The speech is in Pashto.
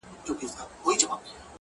زه یې نه سمه لیدلای چي ستا ښکار وي٫